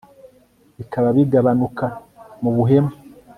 Bikaba bigabanuka mubuhemu